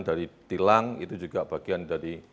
dari tilang itu juga bagian dari